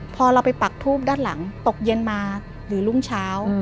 พอเราไปปักทูบด้านหลังตกเย็นมาหรือรุ่งเช้า